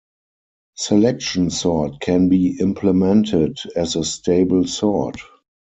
Selection sort can be implemented as a stable sort.